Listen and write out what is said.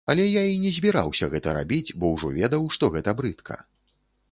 Але я і не збіраўся гэта рабіць, бо ўжо ведаў, што гэта брыдка.